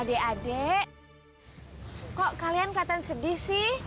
adek adek kok kalian kelihatan sedih sih